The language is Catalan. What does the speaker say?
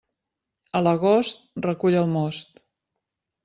A l'agost, recull el most.